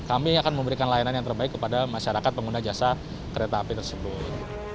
kami akan memberikan layanan yang terbaik kepada masyarakat pengguna jasa kereta api tersebut